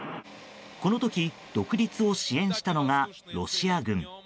この時、独立を支援したのがロシア軍。